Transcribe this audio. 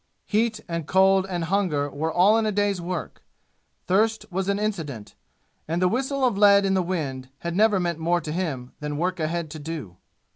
Heat and cold and hunger were all in the day's work; thirst was an incident; and the whistle of lead in the wind had never meant more to him than work ahead to do.